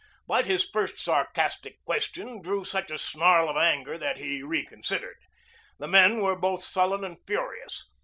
But his first sarcastic question drew such a snarl of anger that he reconsidered. The men were both sullen and furious.